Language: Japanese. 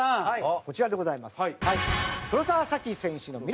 こちらでございます。